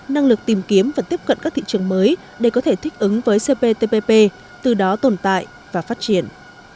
năng lực tìm kiếm và tiếp cận các thị trường mới để có thể thích ứng với cptpp từ đó tồn tại và phát triển